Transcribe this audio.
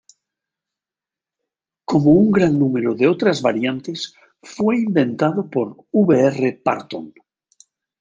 Como un gran número de otras variantes, fue inventado por V. R. Parton.